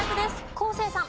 昴生さん。